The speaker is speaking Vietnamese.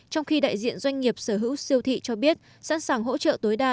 trong khi đại diện doanh nghiệp sở hữu siêu thị cho biết sẵn sàng hỗ trợ tối đa